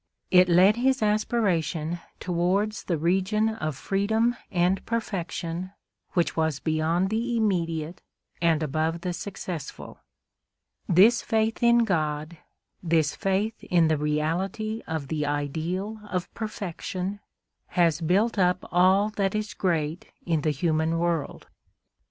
It led his aspiration towards the region of freedom and perfection which was beyond the immediate and above the successful. This faith in God, this faith in the reality of the ideal of perfection, has built up all that is great in the human world.